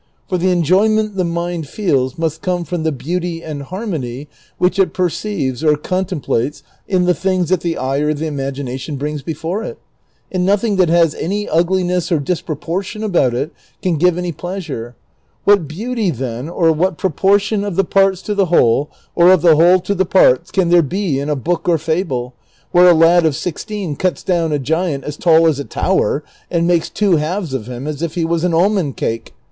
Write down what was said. For the enjoyment the mind feels iProvs, 112 and 117. * Prov. 178, =• Prov. 69. 406 DON QUIXOTE. must come from the beauty and harmony which it perceives or contemplates in the things that the eye or the imagination brings before it ; and nothing that has any iigliness or dispro portion about it can give any pleasure. What beauty, then, or what proportion of the parts to the whole, or of the whole to the parts, can there be in a book or fable where a lad of sixteen cuts down a giant as tall as a tower and makes two halves of him as if he was an almond cake